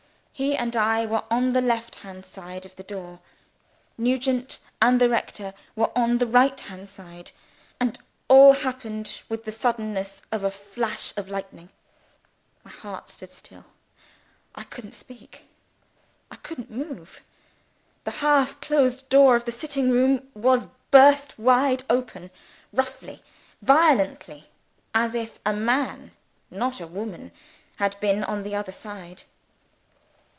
He and I were on the left hand side of the door: Nugent and the rector were on the right hand side. It all happened with the suddenness of a flash of lightning. My heart stood still. I couldn't speak. I couldn't move. The half closed door of the sitting room was burst wide open roughly, violently, as if a man, not a woman, had been on the other side.